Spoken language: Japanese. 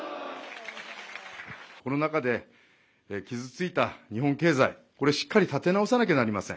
コロナ禍で傷ついた日本経済、これ、しっかり立て直さなければいけません。